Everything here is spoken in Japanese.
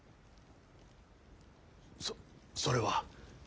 そそれは。